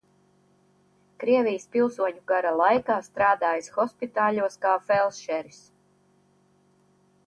Krievijas pilsoņu kara laikā strādājis hospitāļos kā feldšeris.